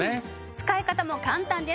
使い方も簡単です。